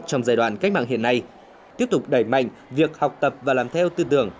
trong giai đoạn cách mạng hiện nay tiếp tục đẩy mạnh việc học tập và làm theo tư tưởng